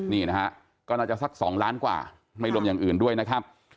นี่นะฮะก็น่าจะสัก๒ล้านกว่าไม่รวมอย่างอื่นด้วยนะครับ